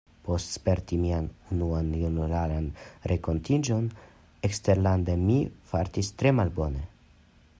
Post sperti mian unuan junularan renkontiĝon eksterlande, mi fartis tre malbone.